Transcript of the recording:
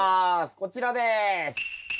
こちらです。